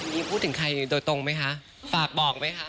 มีพูดถึงใครโดยตรงไหมคะฝากบอกไหมคะ